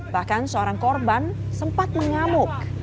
bahkan seorang korban sempat mengamuk